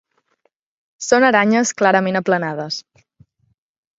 Són aranyes clarament aplanades.